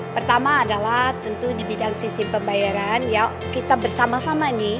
pertama adalah tentu di bidang sistem pembayaran ya kita bersama sama nih